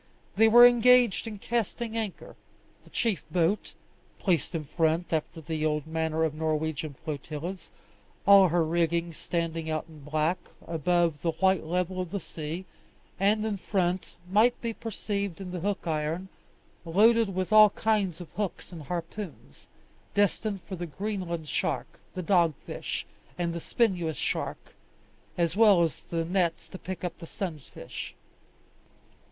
They were engaged in casting anchor: the chief boat, placed in front after the old manner of Norwegian flotillas, all her rigging standing out in black, above the white level of the sea; and in front might be perceived the hook iron, loaded with all kinds of hooks and harpoons, destined for the Greenland shark, the dogfish, and the spinous shark, as well as the nets to pick up the sunfish.